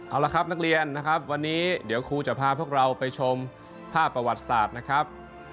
เอาละครับนักเรียนนะครับวันนี้เดี๋ยวครูจะพาพวกเราไปชมภาพประวัติศาสตร์นะครับ